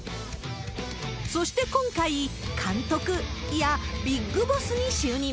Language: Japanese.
そして今回、監督、いや、ビッグボスに就任。